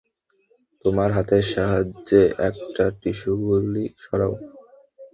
তোমরা হাতের সাহায্যে একটা টিস্যুগুলো সরাও।